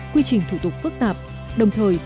quy trình thủ tục phức tạp đồng thời